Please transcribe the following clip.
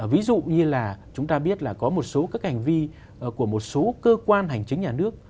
ví dụ như là chúng ta biết là có một số các hành vi của một số cơ quan hành chính nhà nước